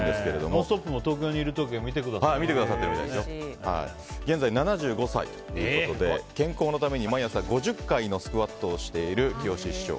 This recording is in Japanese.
「ノンストップ！」も東京にいる時現在７５歳ということで健康のために毎朝５０回のスクワットをしているきよし師匠。